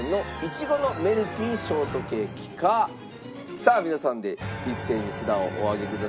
さあ皆さんで一斉に札をお上げください。